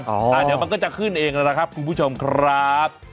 เดี๋ยวมันก็จะขึ้นเองแล้วนะครับคุณผู้ชมครับ